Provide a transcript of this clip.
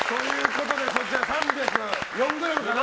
そちら、３０４ｇかな。